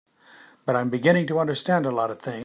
But I'm beginning to understand a lot of things.